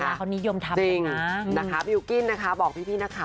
นาลาเขานิยมทำเลยนะคะจริงนะคะบิลกิ้นนะคะบอกพี่พี่นะคะ